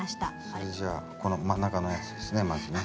それじゃあこの真ん中のやつですねまずね。